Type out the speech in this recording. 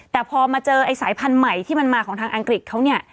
แต่พอมาเจอไอ้สายพันธุ์ใหม่ที่มันมาของทางอังกฤษเขาเนี่ย